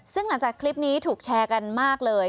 ซึ่งหลังจากคลิปนี้ถูกแชร์กันมากเลย